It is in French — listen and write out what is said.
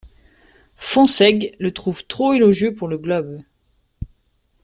Fonsègue le trouve trop élogieux pour le Globe.